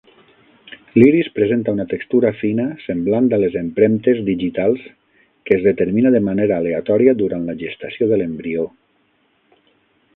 L'iris presenta una textura fina semblant a les empremtes digitals que es determina de manera aleatòria durant la gestació de l'embrió.